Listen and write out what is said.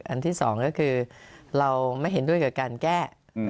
อันที่สองก็คือเราไม่เห็นด้วยกับการแก้